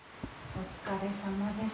お疲れさまです。